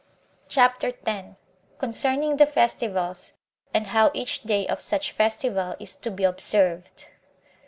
CHAPTER 10. Concerning The Festivals; And How Each Day Of Such Festival Is To Be Observed.